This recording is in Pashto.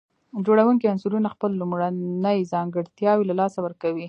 جوړونکي عنصرونه خپل لومړني ځانګړتياوي له لاسه ورکوي.